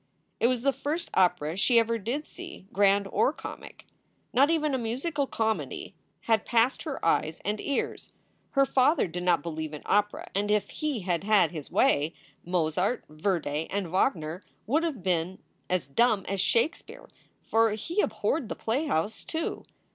It was the first opera she ever did see, grand or comic. Not even a musical comedy had passed her eyes and ears. Her father did not believe in opera, and if he had had his way Mozart, Verdi, and Wagner would have been as dumb as Shakespeare for he abhorred the playhouse, too.